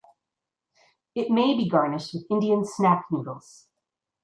It may be garnished with Indian snack noodles.